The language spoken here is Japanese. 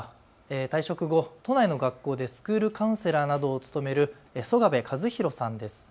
退職後、都内の学校でスクールカウンセラーなどを務める曽我部和広さんです。